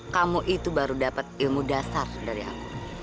kamu itu baru dapat ilmu dasar dari aku